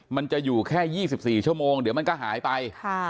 มันจะอยู่แค่๒๔ชั่วโมงเดี๋ยวมันก็หายไป